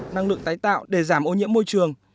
năng lượng tái tạo để giảm ô nhiễm môi trường